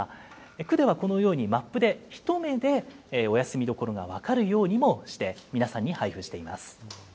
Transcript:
区ではこのように、マップで、一目でお休み処が分かるようにもして、皆さんに配布しています。